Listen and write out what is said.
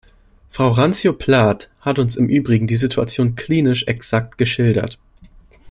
Frau Randzio-Plath hat uns im übrigen die Situation klinisch exakt geschildert.